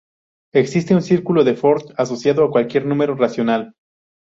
Existe un círculo de Ford asociado a cualquier número racional.